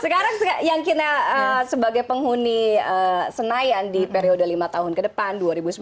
sekarang yang kira sebagai penghuni senayan di periode lima tahun ke depan dua ribu sembilan belas dua ribu dua puluh empat